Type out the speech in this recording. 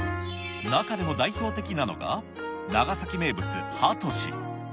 中でも代表的なのが、長崎名物、ハトシ。